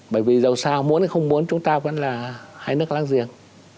bởi vì dù sao muốn thì không muốn chúng ta vẫn là hai nước láng giềng